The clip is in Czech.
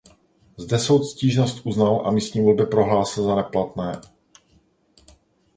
Zde soud stížnost uznal a místní volby prohlásil za neplatné.